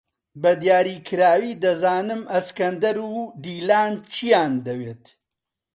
بەدیاریکراوی دەزانم ئەسکەندەر و دیلان چییان دەوێت.